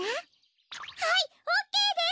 はいオーケーです！